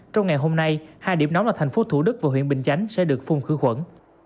trong ngày hôm nay hai điểm nóng là thành phố thủ đức và huyện bình chánh sẽ được phun khử khuẩn